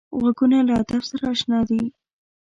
غوږونه له ادب سره اشنا دي